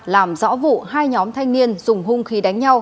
làm rõ vụ hai nhóm thanh niên dùng hung khí đánh nhau